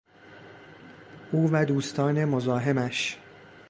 او و دوستان مزاحمش